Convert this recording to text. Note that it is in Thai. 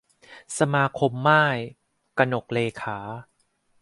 สมาคมม่าย - กนกเรขา